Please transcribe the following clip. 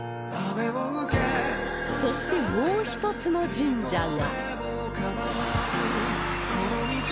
そしてもう一つの神社が